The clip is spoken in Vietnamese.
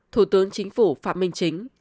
hai thủ tướng chính phủ phạm minh chính